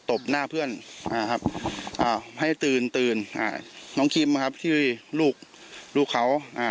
บหน้าเพื่อนอ่าครับอ่าให้ตื่นตื่นอ่าน้องคิมครับที่ลูกลูกเขาอ่า